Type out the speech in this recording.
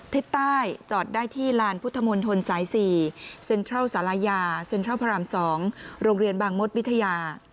ทิศใต้จอดได้ที่ลานพุทธมนตรสาย๔เซ็นทรัลศาลายาเซ็นทรัลพระราม๒โรงเรียนบางมดวิทยา